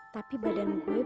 tapi badan gue badannya troi